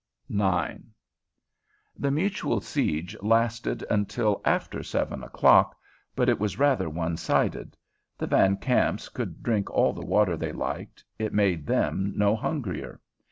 IX The mutual siege lasted until after seven o'clock, but it was rather one sided. The Van Kamps could drink all the water they liked, it made them no hungrier.